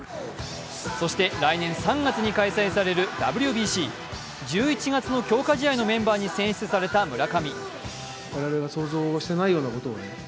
そして来年３月に開催されるＷＢＣ１１月の強化試合のメンバーに選出された村上。